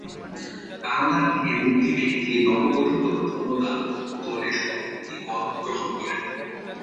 কারাগার থেকে মুক্তি পেয়ে তিনি নবগঠিত জনতা দলের সভাপতি পদ গ্রহণ করেন।